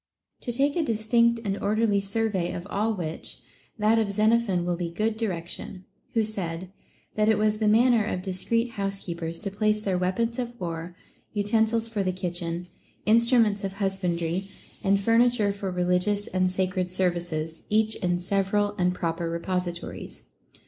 To take a distinct and or derly survey of all which, that of Xenophon will be good direction, who said, that it was the manner of discreet housekeepers to place their weapons of war, utensils for the kitchen, instruments of husbandry, and furniture for religious and sacred services, each in several and proper re positories.